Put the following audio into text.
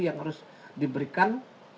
yang harus diberikan